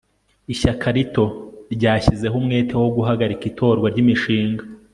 ishyaka rito ryashyizeho umwete wo guhagarika itorwa ryimishinga